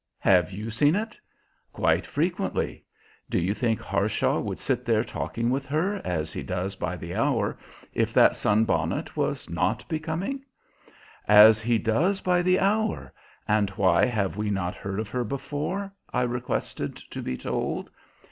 "Have you seen it?" "Quite frequently. Do you think Harshaw would sit there talking with her, as he does by the hour, if that sunbonnet was not becoming?" "As he does by the hour! And why have we not heard of her before?" I requested to be told.